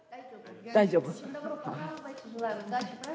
大丈夫？